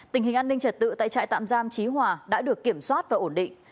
tình hình an ninh trật tự tại trại tạm giam trí hòa đã được kiểm soát và ổn định